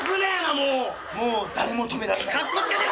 もう誰も止められない。